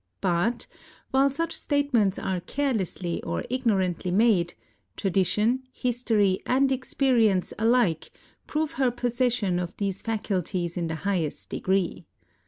But, while such statements are care lessly or ignorantly made, tradition, history, and experience alike prove her possession of these faculties in the highest degree.